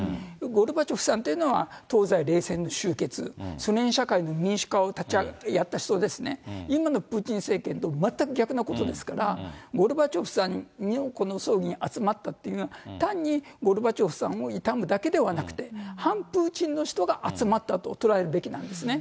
ゴルバチョフさんというのは、東西冷戦の終結、ソ連社会の民主化をやった人ですね、今のプーチン政権と全く逆のことですから、ゴルバチョフさんのこの葬儀に集まったっていうのは、単にゴルバチョフさんを悼むだけではなくて、反プーチンの人が集まったと捉えるべきなんですね。